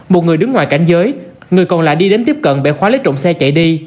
một người đứng ngoài cảnh giới người còn lại đi đến tiếp cận bẻ khóa lấy trộm xe chạy đi